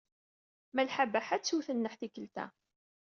Malḥa Baḥa ad twet nneḥ tikkelt-a.